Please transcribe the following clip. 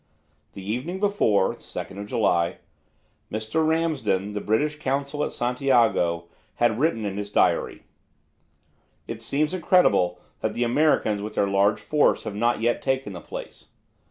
The evening before (2 July) Mr. Ramsden, the British Consul at Santiago, had written in his diary: "It seems incredible that the Americans with their large force have not yet taken the place.